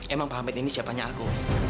emang pak hamid ini siapanya aku